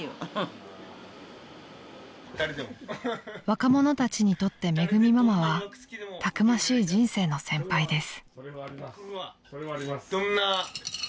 ［若者たちにとってめぐみママはたくましい人生の先輩です］